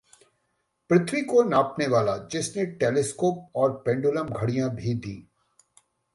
पृथ्वी को नापने वाला, जिसने टेलीस्कोप और पेंडुलम घड़ियां भी दीं